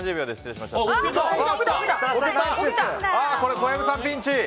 小籔さん、ピンチ！